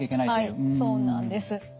はいそうなんです。